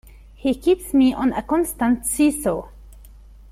He keeps me on a constant see-saw.